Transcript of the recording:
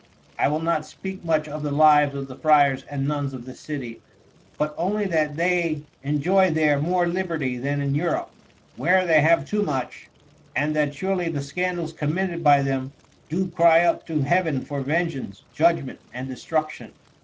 "I will not speak much of the lives of the friars and nuns of this city, but only that they enjoy there more liberty than in Europe, where they have too much, and that surely the scandals committed by them do cry up to heaven for vengeance, judgment, and destruction.